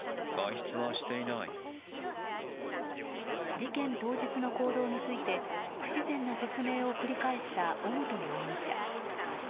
事件当日の行動について不自然な説明を繰り返した尾本容疑者。